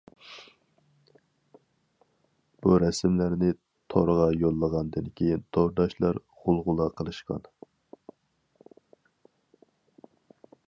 بۇ رەسىملەرنى تورغا يوللىغاندىن كېيىن تورداشلار غۇلغۇلا قىلىشقان.